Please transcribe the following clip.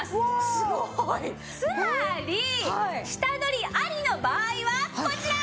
つまり下取りありの場合はこちら！